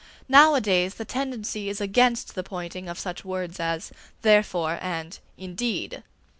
Nowadays the tendency is against the pointing of such words as "therefore" and "indeed."